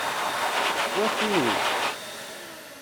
Wa, kenwi.